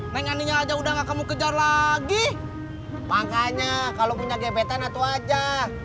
neng aninya aja udah nggak kamu kejar lagi makanya kalau punya gebetan atau aja